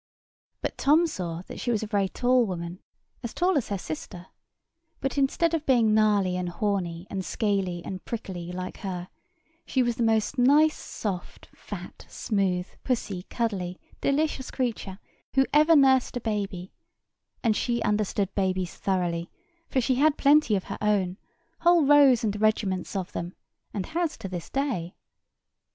But Tom saw that she was a very tall woman, as tall as her sister: but instead of being gnarly and horny, and scaly, and prickly, like her, she was the most nice, soft, fat, smooth, pussy, cuddly, delicious creature who ever nursed a baby; and she understood babies thoroughly, for she had plenty of her own, whole rows and regiments of them, and has to this day.